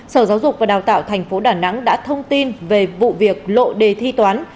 sở giáo dục và đào tạo tp đà nẵng đã thông tin về vụ việc lộ đề thi toán